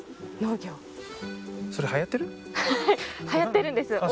はやってるんです。